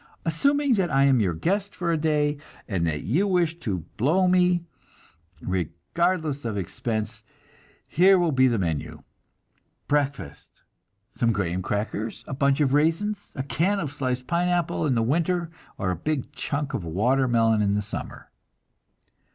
Assuming that I am your guest for a day, and that you wish to "blow" me, regardless of expense, here will be the menu. Breakfast, some graham crackers, a bunch of raisins, a can of sliced pineapple in winter, or a big chunk of watermelon in summer.